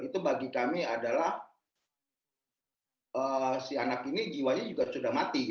itu bagi kami adalah si anak ini jiwanya juga sudah mati